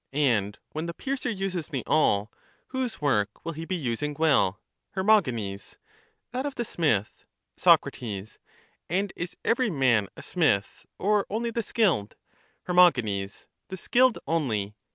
And when the piercer uses the awl, whose work will he be using well? Her. That of the smith. Soc. And is every man a smith, or only the skilled? Her. The skilled only.